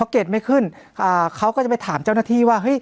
เขาก็จะไปถามเจ้าหน้าที่ว่า